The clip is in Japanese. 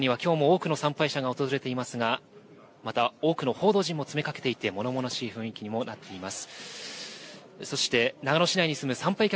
善光寺には、きょうも多くの参拝者が訪れていますがまた多くの報道陣も詰めかけていてものものしい雰囲気にもなっています。